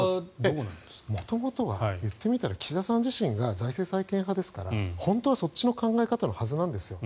元々は、岸田さん自身が財政再建派ですから本当はそっちの考え方のはずなんですよ。